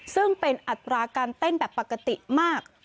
ซึ่งเป็นอัตราการเต้นแบบปกติมาก